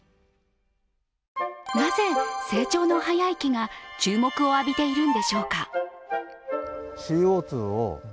なぜ成長の早い木が注目を浴びているんでしょうか。